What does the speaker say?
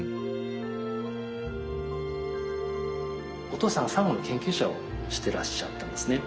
お父さんは珊瑚の研究者をしていらっしゃったんですね。